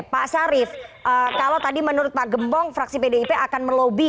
pak sarif kalau tadi menurut pak gembong fraksi pdip akan melobi